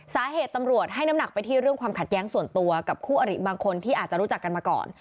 สาเหตุตำรวจให้น้ำหนักไปที่เรื่องความขัดแย้งส่วนตัวกับคู่อริบางคนที่อาจจะรู้จักกันมาก่อน